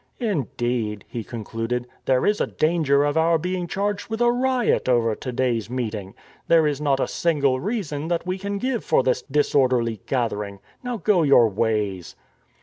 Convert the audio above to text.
" Indeed," he concluded, " there is a danger of our being charged with a riot over to day's meeting. There is not a single reason that we can give for this disorderly gathering. Now go your ways."